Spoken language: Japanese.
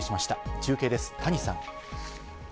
中継です、谷さん。